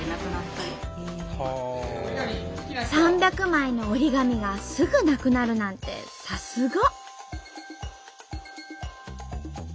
３００枚の折り紙がすぐなくなるなんてさすが！